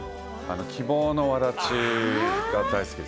『希望の轍』が大好きです。